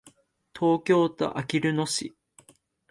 東京都あきる野市